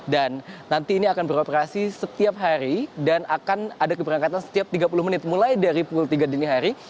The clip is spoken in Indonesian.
dan nanti ini akan beroperasi setiap hari dan akan ada keberangkatan setiap tiga puluh menit mulai dari pukul tiga dini hari